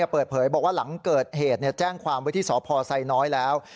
เปิดเผยบอกว่าหลังเกิดเหตุแจ้งความไว้ที่สพไซน้อยแล้ว